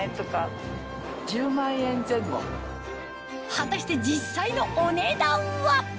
果たして実際のお値段は？